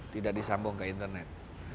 tidak disambung ke internet